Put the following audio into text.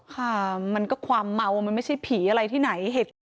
ค่ะมันก็ความเมามันไม่ใช่ผีอะไรที่ไหนเหตุการณ์